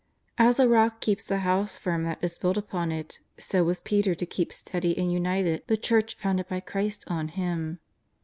As a rock keeps the house firm that is built upon it, so was Peter to keep steady and united the Church founded by Christ on him.